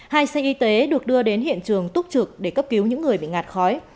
hai xe y tế được đưa đến hiện trường túc trực để cấp cứu những người bị ngạt khói